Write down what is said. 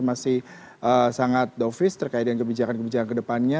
masih sangat dovis terkait dengan kebijakan kebijakan ke depannya